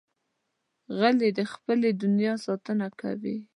غلی، د خپلې دنیا ساتنه کوي.